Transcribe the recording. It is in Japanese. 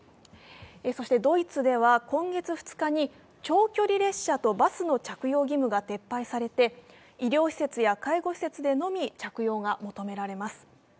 そしてドイツでは今月２日に長距離列車とバスでの着用が撤廃されて医療施設や介護施設でのみ着用が求められます。